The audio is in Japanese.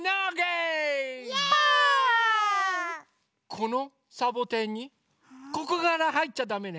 このサボテンにここからはいっちゃだめね。